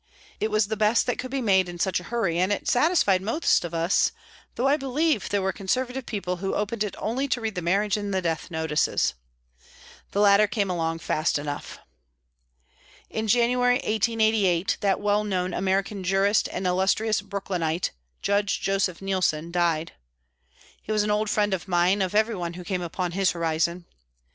It was the best that could be made in such a hurry, and it satisfied most of us, though I believe there were conservative people who opened it only to read the marriage and the death notices. The latter came along fast enough. In January, 1888, that well known American jurist and illustrious Brooklynite, Judge Joseph Neilson, died. He was an old friend of mine, of everyone who came upon his horizon.